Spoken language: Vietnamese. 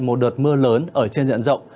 một đợt mưa lớn ở trên diện rộng